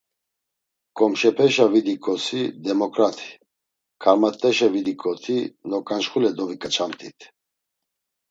Komşepeşa vidiǩosi demoǩrati, karmat̆eşa vidiǩoti noǩançxule doviǩaçamt̆it.